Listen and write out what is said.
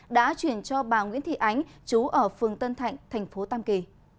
đã chuyển cho bà nguyễn thị ánh chú ở phường tân thạnh thành phố tam kỳ